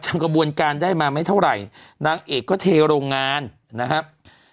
กระบวนการได้มาไม่เท่าไหร่นางเอกก็เทโรงงานนะครับ